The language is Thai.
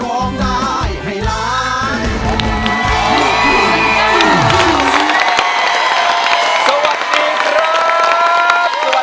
สวัสดีครับ